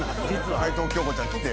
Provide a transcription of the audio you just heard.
齊藤京子ちゃん来て。